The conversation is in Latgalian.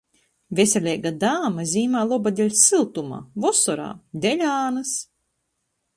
Veseleiga dāma zīmā loba deļ syltuma, vosorā - deļ ānys!...